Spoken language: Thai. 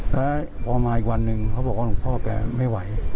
แล้วพอมาอีกวันหนึ่งเขาบอกว่าหลวงพ่อแกไม่ไหว